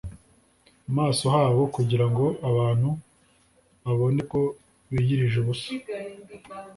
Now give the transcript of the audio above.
Maso habo kugira ngo abantu babone ko biyirije ubusa